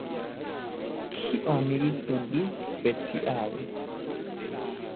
Kion li studis speciale?